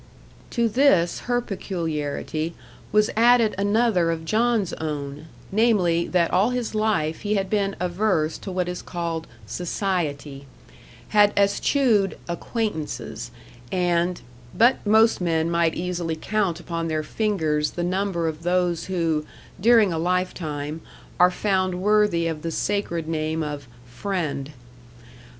To this her peculiarity was added another of John's own, namely, that all his life he had been averse to what is called "society;" had eschewed "acquaintances," and but most men might easily count upon their fingers the number of those who, during a life time, are found worthy of the sacred name of "friend."